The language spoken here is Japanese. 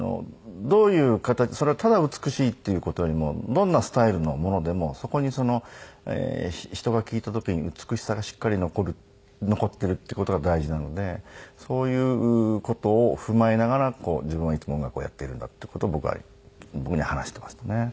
どういう形それはただ美しいっていう事よりもどんなスタイルのものでもそこに人が聴いた時に美しさがしっかり残ってるっていう事が大事なのでそういう事を踏まえながら自分はいつも音楽をやっているんだっていう事を僕は僕に話してましたね。